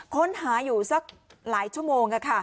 ค้นหาอยู่สักหลายชั่วโมง